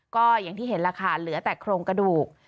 ก็อย่างที่เห็นล่ะค่ะเหลือแต่โครงกระดูก